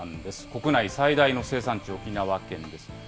国内最大の生産地、沖縄県です。